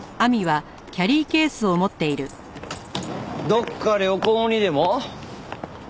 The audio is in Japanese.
どっか旅行にでも？